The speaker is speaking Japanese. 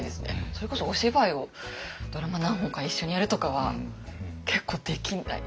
それこそお芝居をドラマ何本か一緒にやるとかは結構できない。